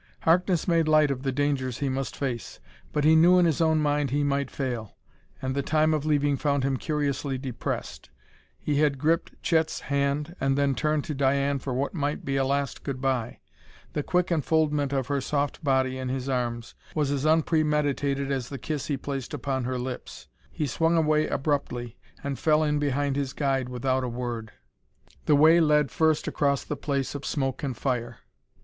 Harkness made light of the dangers he must face, but he knew in his own mind he might fail. And the time of leaving found him curiously depressed. He had gripped Chet's hand, then turned to Diane for what might be a last good by. The quick enfoldment of her soft body in his arms was as unpremeditated as the kiss he placed upon her lips.... He swung away abruptly, and fell in behind his guide without a word. The way led first across the place of smoke and fire.